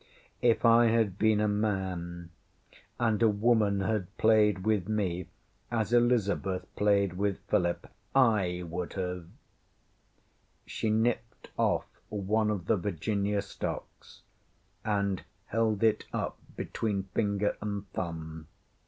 If I had been a man, and a woman had played with me as Elizabeth played with Philip, I would have ŌĆÖ She nipped off one of the Virginia stocks and held it up between finger and thumb.